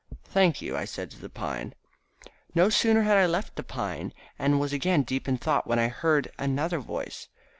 "Thank you," I said to the pine. No sooner had I left the pine, and was again deep in thought, when I heard another voice.